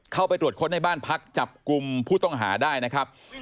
เข้าไปตรวจค้นในบ้านพักจับกลุ่มผู้ต้องหาได้นะครับ